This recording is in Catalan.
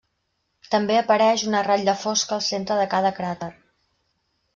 També apareix una ratlla fosca al centre de cada cràter.